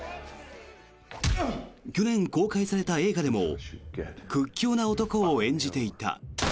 去年公開された映画でも屈強な男を演じていた。